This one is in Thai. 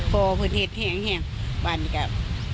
พ่อเปิดเผ็ดแห้งบ้านดีกว่า